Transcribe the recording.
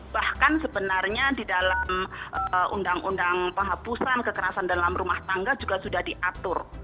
bahkan sebenarnya di dalam undang undang penghapusan kekerasan dalam rumah tangga juga sudah diatur